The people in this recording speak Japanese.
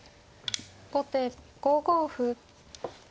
後手５五歩。